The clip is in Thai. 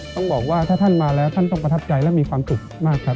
ต้องบอกว่าถ้าท่านมาแล้วท่านต้องประทับใจและมีความสุขมากครับ